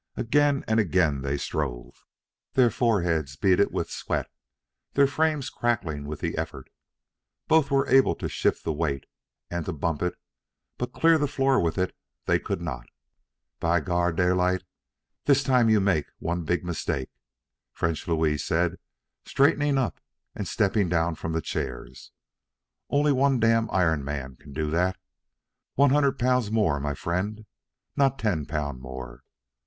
Again and again they strove, their foreheads beaded with sweat, their frames crackling with the effort. Both were able to shift the weight and to bump it, but clear the floor with it they could not. "By Gar! Daylight, dis tam you mek one beeg meestake," French Louis said, straightening up and stepping down from the chairs. "Only one damn iron man can do dat. One hundred pun' more my frien', not ten poun' more."